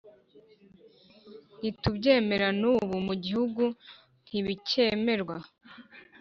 ntitubyemera n’ubu mu gihugu ntibikemerwa.”